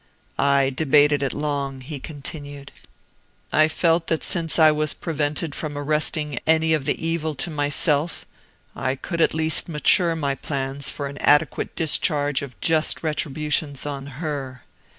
"I debated it long," he continued. "I felt that since I was prevented from arresting any of the evil to myself, I could at least mature my plans for an adequate discharge of just retributions on her.